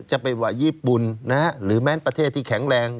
จะเป็นว่าญี่ปุ่นหรือแม้ประเทศที่แข็งแรง